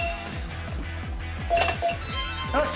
よし！